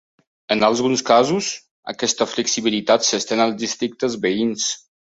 En alguns casos, aquesta flexibilitat s'estén als districtes veïns.